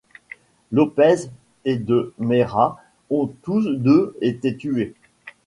Lopez et de Meira ont tous deux été tués.